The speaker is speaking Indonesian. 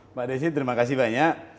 mbak desi terima kasih banyak